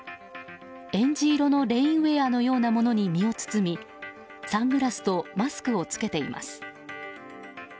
えんじ色のレインウェアのようなものに身を包みサングラスとマスクを着けています。